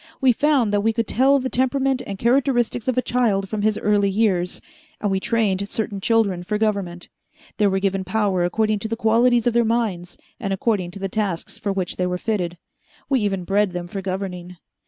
We found that we could tell the temperament and characteristics of a child from his early years, and we trained certain children for government. They were given power according to the qualities of their minds and according to the tasks for which they were fitted. We even bred them for governing.